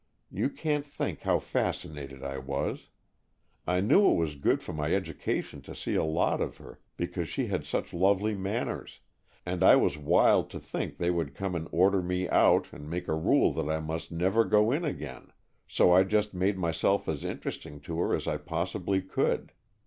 You can't think how fascinated I was. I knew it was good for my education to see a lot of her, because she had such lovely manners, and I was wild to think they would come and order me out and make a rule that I must never go In again, so I just made myself as interesting to her as I possibly could.